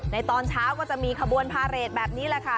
ตอนเช้าก็จะมีขบวนพาเรทแบบนี้แหละค่ะ